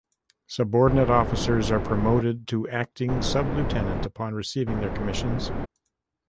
Subordinate officers are promoted to acting sub-lieutenant upon receiving their commissions.